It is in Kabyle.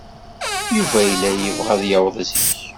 Yuba yella yebɣa ad yaweḍ zik.